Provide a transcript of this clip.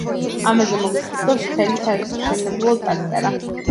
ამაზე მოგვითხრობდა ვრცელი სამშენებლო წარწერა.